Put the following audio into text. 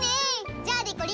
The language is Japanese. じゃあでこりん。